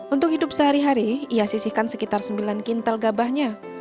untuk hidup sehari hari ia sisihkan sekitar sembilan kintal gabahnya